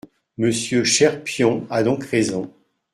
Monsieur Cherpion a donc raison.